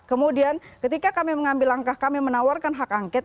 kemudian ketika kami mengambil langkah kami menawarkan hak angket